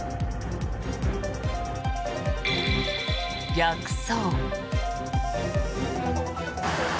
逆走。